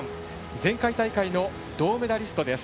前回大会の銅メダリストです。